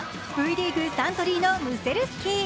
Ｖリーグ・サントリーのムセルスキー。